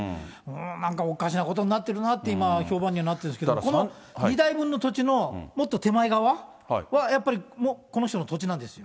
なんかおかしなことになってるなって、今、評判にはなってるんですけど、この２台分の土地のもっと手前側は、やっぱりこの人の土地なんですよ。